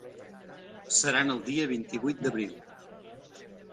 Seran el dia vint-i-vuit d’abril.